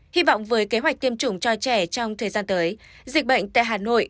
hy vọng với kế hoạch tiêm chủng cho trẻ trong thời gian tới dịch bệnh tại hà nội